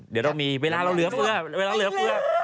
เดี๋ยวเรามีเวลาเราเหลือเฟื่อ